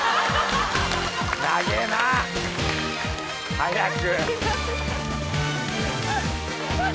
早く！